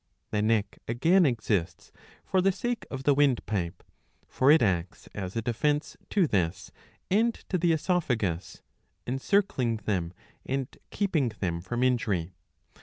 The neck, again, exists for the sake of the windpipe. For it acts as a defence to this and to the oesophagus, encircling them and keeping them from injury.